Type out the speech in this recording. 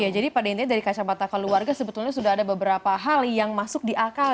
jadi pada intinya dari kacamata keluarga sebetulnya sudah ada beberapa hal yang masuk di akal